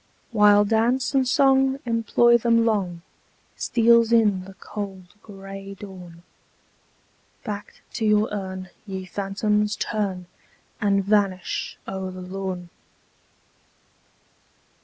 While dance and song employ them long, Steals in the cold, gray dawn! Back to your urn, ye phantoms, turn, And vanish o'er the lawn.